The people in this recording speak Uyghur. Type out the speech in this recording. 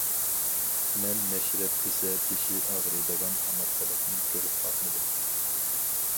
مەن مەشرەپ دېسە بېشى ئاغرىيدىغان ئامېرىكىلىقنى كۆرۈپ باقمىدىم.